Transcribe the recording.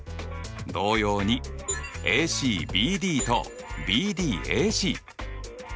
同様にＡＣＢＤとＢＤＡＣ。